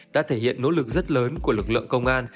đã thể hiện nỗ lực rất lớn của lực lượng công an